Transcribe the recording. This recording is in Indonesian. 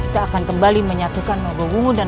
kita akan kembali menyatukan nogowungu dan aksa